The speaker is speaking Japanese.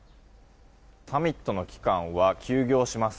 サミットの期間は休業します